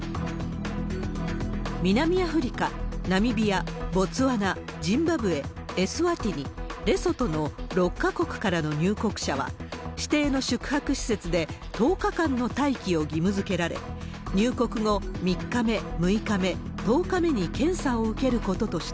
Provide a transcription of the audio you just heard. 南アフリカ、ナミビア、ボツワナ、ジンバブエ、エスワティニ、レソトの６か国からの入国者は、指定の宿泊施設で１０日間の待機を義務づけられ、入国後３日目、６日目、１０日目に検査を受けることとした。